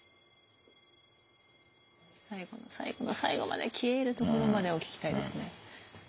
最後の最後の最後まで消え入るところまでを聞きたいですね。